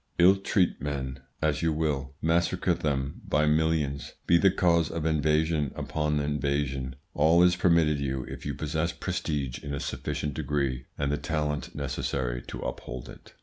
Ill treat men as you will, massacre them by millions, be the cause of invasion upon invasion, all is permitted you if you possess prestige in a sufficient degree and the talent necessary to uphold it.